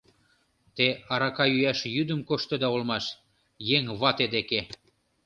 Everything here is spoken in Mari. Те арака йӱаш йӱдым коштыда улмаш... еҥ вате деке...